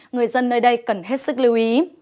người dân nơi đây cần hết sức lưu ý